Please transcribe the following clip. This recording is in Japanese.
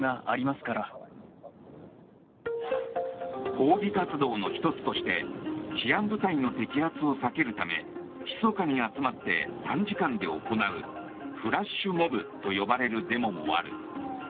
抗議活動の１つとして治安部隊の摘発を避けるためひそかに集まって短時間で行うフラッシュモブと呼ばれるデモもある。